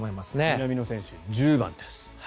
南野選手、１０番です。